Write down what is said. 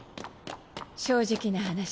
正直な話